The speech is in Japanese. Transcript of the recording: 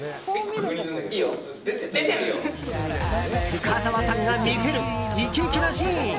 深澤さんが見せるイケイケなシーン。